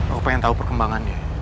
aku pengen tahu perkembangannya